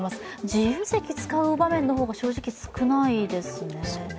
自由席を使う場面の方が正直少ないですね。